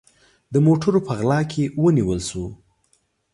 د موټروپه غلا کې ونیول سو